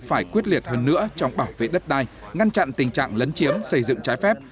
phải quyết liệt hơn nữa trong bảo vệ đất đai ngăn chặn tình trạng lấn chiếm xây dựng trái phép